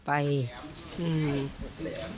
ก็นานีแล้วคุณบทสมประกอบค่ะ